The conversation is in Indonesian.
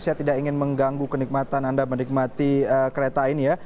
saya tidak ingin mengganggu kenikmatan anda menikmati kereta ini ya